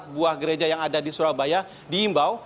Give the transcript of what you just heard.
empat buah gereja yang ada di surabaya diimbau